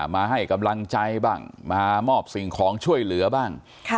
มาให้กำลังใจบ้างมามอบสิ่งของช่วยเหลือบ้าง